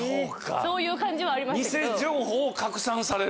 そういう感じはありました